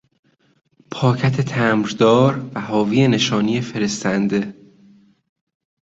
پاکت تمبردار و حاوی نشانی فرستنده